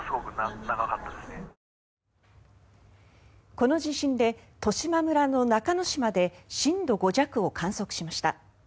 この地震で十島村の中之島で震度５弱を観測しました。